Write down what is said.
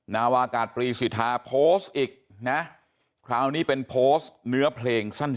นาวากาศปรีสิทธาโพสต์อีกนะคราวนี้เป็นโพสต์เนื้อเพลงสั้น